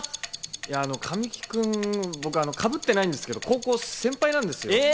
神木君、僕はかぶってないんですけど、高校の先輩なんですよ。